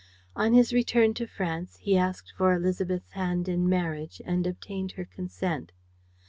On his return to France he asked for Élisabeth's hand in marriage and obtained her consent.